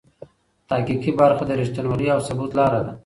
تحقیقي برخه د رښتینولۍ او ثبوت لاره ده.